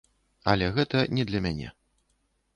Але гэта не для мяне.